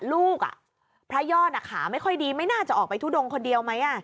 ลูกพระยอดขาไม่ค่อยดีไม่น่าจะออกไปทุดงคนเดียวไหม